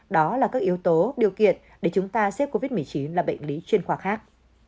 đó là các yếu tố điều kiện để chúng ta xếp covid một mươi chín là bệnh lý chuyên khoa khác